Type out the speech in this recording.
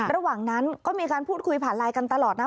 ระหว่างนั้นก็มีการพูดคุยผ่านไลน์กันตลอดนะ